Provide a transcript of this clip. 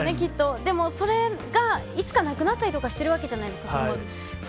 でもそれが、いつかなくなったりとかしてるわけじゃないですか。